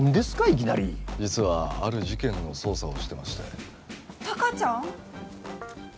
いきなり実はある事件の捜査をしてまして貴ちゃん？